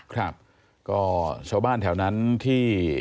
ครับก็ชาวบ้านแถวนั้นที่